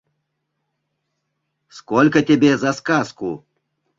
Сколько тебе за сказку?